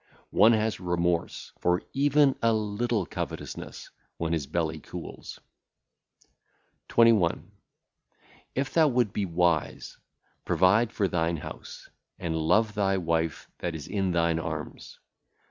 One hath remorse for even a little covetousness when his belly cooleth. 21. If thou wouldest be wise, provide for thine house, and love thy wife that is in thine arms.